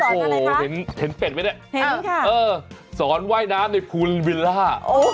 โอ้โหเห็นเป็ดไหมเนี่ยเออสอนว่ายน้ำในภูลวิลล่า